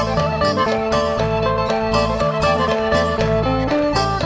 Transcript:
โชว์ฮีตะโครน